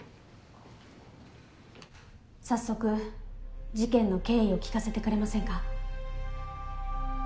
早速事件の経緯を聞かせてくれませんか。